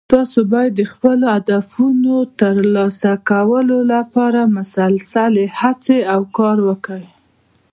تاسو باید د خپلو هدفونو د ترلاسه کولو لپاره مسلسلي هڅې او کار وکړئ